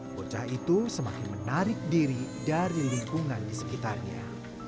bocah itu semakin menarik diri dari lingkungan di sekitarnya